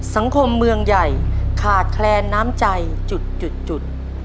สังคมเมืองใหญ่ขาดแคลนน้ำใจจุด